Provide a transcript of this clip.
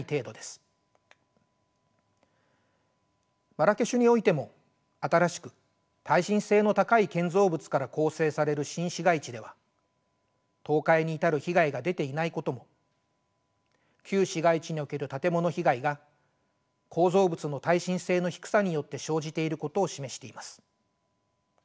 マラケシュにおいても新しく耐震性の高い建造物から構成される新市街地では倒壊に至る被害が出ていないことも旧市街地における建物被害が建造物の耐震性の低さによって生じていることを示しています。